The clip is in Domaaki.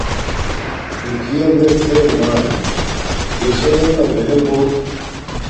نِکِݵݳ بݺ خݵر بݳئݵ. ݵݳ شݳ ݵݳ تݳ بہݵل ہݸ.